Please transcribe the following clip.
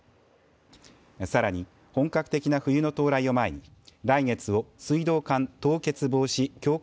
さらに本格的な冬の到来を前に来月を水道管凍結防止強化